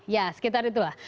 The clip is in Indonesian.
ya sekitar itu lah